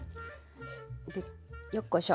でよっこいしょ。